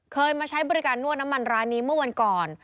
เคยมาใช้บริการนวดน้ำมันร้านนี้เมื่อวันก่อน